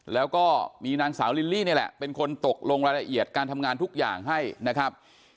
แล้วก็มีนางสาวลิลลี่นี่แหละเป็นคนตกลงรายละเอียดการทำงานทุกอย่างให้นะครับ